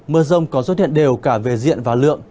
mưa rông có xuất hiện đều cả về diện và lượng